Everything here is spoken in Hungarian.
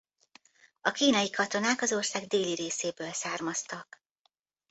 A kínai katonák az ország déli részéből származtak.